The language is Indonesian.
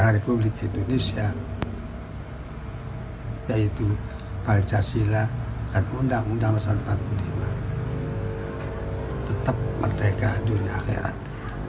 ratusan empat puluh lima tetap merdeka dunia akhirat